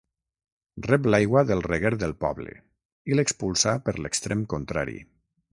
Rep l'aigua del reguer del poble i l'expulsa per l'extrem contrari.